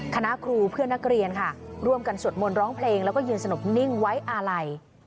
คณะครูเพื่อนนักเรียนค่ะร่วมกันสวดมนต์ร้องเพลงแล้วก็ยืนสนบนิ่งไว้อาลัย